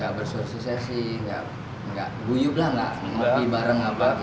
gak bersosialisasi gak buyub lah gak